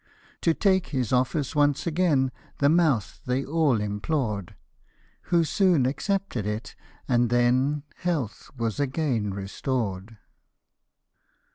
To take his office once again, The mouth they all implored ; Who soon accepted it, and then Health was again restored.